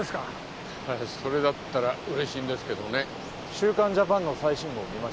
『週刊ジャパン』の最新号見ました。